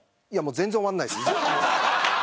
全然終わらないです。